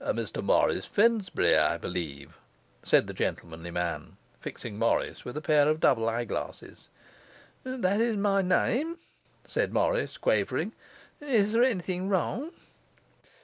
'Mr Morris Finsbury, I believe,' said the gentlemanly man, fixing Morris with a pair of double eye glasses. 'That is my name,' said Morris, quavering. 'Is there anything wrong.